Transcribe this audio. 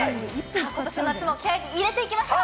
今年の夏も気合いを入れていきましょう。